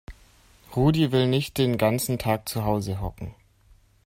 Rudi will nicht den ganzen Tag zu Hause hocken.